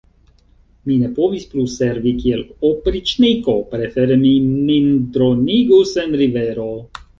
Mi ne povis plu servi kiel opriĉniko: prefere mi min dronigus en rivero.